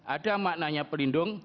ada maknanya pelindung